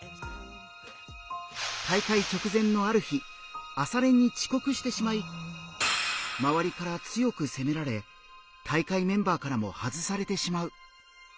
大会直前のある日朝練に遅刻してしまいまわりから強く責められ大会メンバーからも外されてしまう。